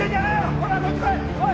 ほらこっち来い！